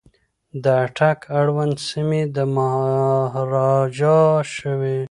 د اټک اړوند سیمي د مهاراجا شوې.